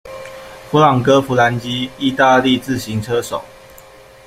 佛朗哥·弗兰基，意大利自行车手。